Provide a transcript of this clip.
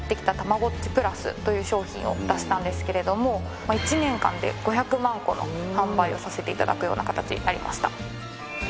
たまごっちプラスという商品を出したんですが１年間で５００万個の販売をさせていただく形になりました